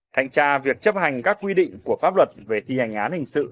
thanh tra việc chấp hành các quy định của pháp luật về thi hành án hình sự